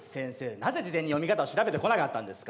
なぜ事前に読み方を調べてこなかったんですか？